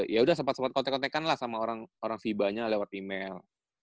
yaudah sempet sempet kote kotekan lah sama orang vibanya lewat email